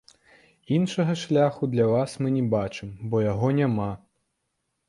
Іншага шляху для вас мы не бачым, бо яго няма.